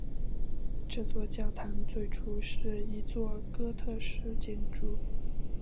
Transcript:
这座教堂最初是一座哥特式建筑。